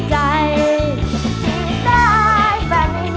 จีฟได้แฟนฉันมีแล้ว